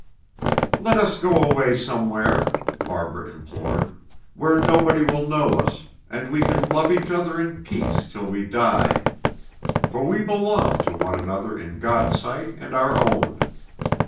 '" "Let us go away somewhere," Barbara implored, "where nobody will know us, and we can love each other in peace till we die: for we belong to one another in God's sight and our own.